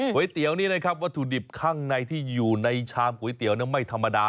ก๋วยเตี๋ยวนี้นะครับวัตถุดิบข้างในที่อยู่ในชามก๋วยเตี๋ยวไม่ธรรมดา